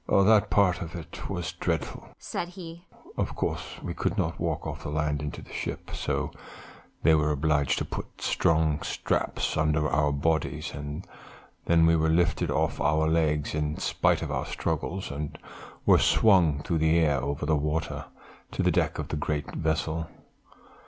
"That part of it," said he, "was dreadful! Of course we could not walk off the land into the ship; so they were obliged to put strong straps under our bodies, and then we were lifted off our legs in spite of our struggles, and were swung through the air over the water, to the deck of the great vessel.